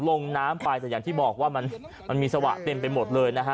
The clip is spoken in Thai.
ลงน้ำไปแต่อย่างที่บอกว่ามันมีสวะเต็มไปหมดเลยนะฮะ